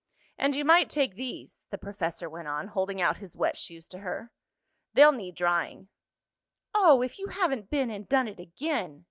"And you might take these," the professor went on, holding out his wet shoes to her. "They'll need drying." "Oh, if you haven't been and done it again!"